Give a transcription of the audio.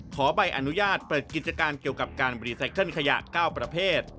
ขอใบอนุญาตเปิดกิจการเกี่ยวกับการรีไซเคิลขยะ๙ประเภท